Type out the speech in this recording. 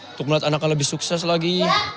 untuk melihat anaknya lebih sukses lagi